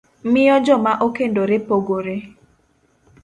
miyo joma okendore pogore.